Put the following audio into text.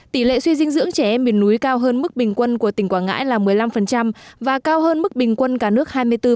tỷ lệ suy dinh dưỡng trẻ em miền núi cao hơn mức bình quân của tỉnh quảng ngãi là một mươi năm và cao hơn mức bình quân cả nước hai mươi bốn